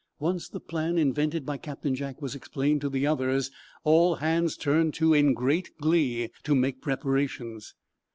Once the plan invented by Captain Jack was explained to the others all hands turned to, in great glee, to make preparations.